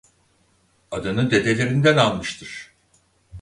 Adını dedelerinden almıştır.